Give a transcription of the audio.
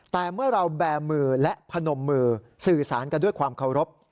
แต่เมื่อเราแบร์มือและพนมมือสื่อสารกันด้วยความเคารพ